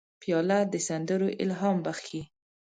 پیاله د سندرو الهام بخښي.